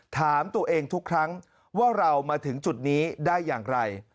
ถามตัวเองทุกครั้งว่าเรามาถึงจุดนี้ได้อย่างไร